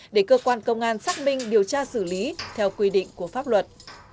để cơ quan công an xác minh điều tra xử lý theo quy định của pháp luật